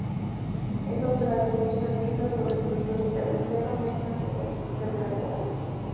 Es autora de muchos artículos sobre soluciones de agujero negro en teorías de supergravedad.